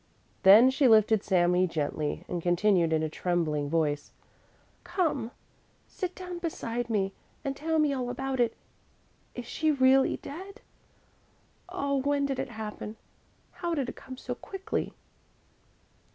Then she lifted Sami gently and continued in a trembling voice: "Come, sit down beside me and tell me all about it. Is she really dead? Oh, when did it happen? How did it come so quickly?"